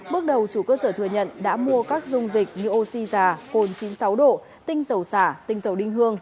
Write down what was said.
bước đầu chủ cơ sở thừa nhận đã mua các dung dịch như oxy già cồn chín mươi sáu độ tinh dầu xả tinh dầu đinh hương